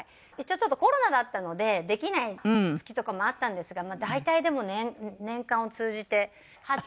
ちょっとコロナだったのでできない月とかもあったんですが大体でも年間を通じて８９回は集まって。